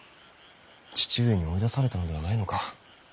父上に追い出されたのではないのか。